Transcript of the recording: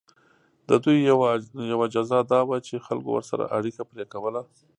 د دوی یوه جزا دا وه چې خلکو ورسره اړیکه پرې کوله.